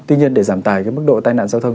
tuy nhiên để giảm tài cái mức độ tai nạn giao thông